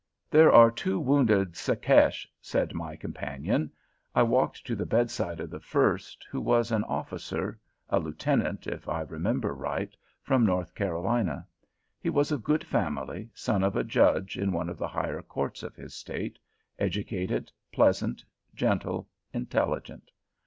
"There are two wounded Secesh," said my companion. I walked to the bedside of the first, who was an officer, a lieutenant, if I remember right, from North Carolina. He was of good family, son of a judge in one of the higher courts of his State, educated, pleasant, gentle, intelligent.